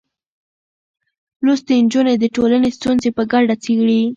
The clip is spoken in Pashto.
لوستې نجونې د ټولنې ستونزې په ګډه څېړي.